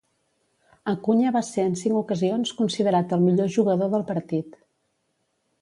Acuña va ser en cinc ocasions considerat el millor jugador del partit.